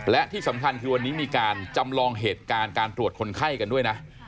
และที่สำคัญคือวันนี้มีการจำลองเหตุการณ์การตรวจคนไข้กันด้วยนะ